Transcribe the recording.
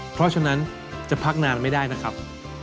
เพราะฉะนั้นจะพักนานไม่ได้นะครับ